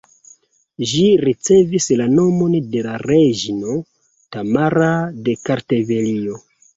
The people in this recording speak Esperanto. Ĝi ricevis la nomon de la reĝino Tamara de Kartvelio.